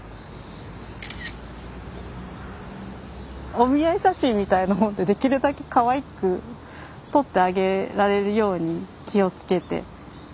お見合い写真みたいなほんとにできるだけかわいく撮ってあげられるように気を付けています。